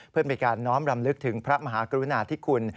เพื่อเป็นการน้อมรำลึกถึงพระมหากรุณาธิคุณ